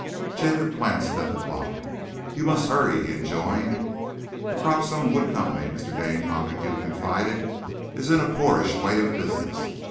Jacob glanced at the clock. "You must hurry," he enjoined. "The Cropstone Wood Company," Mr. Dane Montague confided, "is in a poorish way of business.